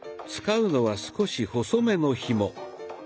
使うのは少し細めのひも。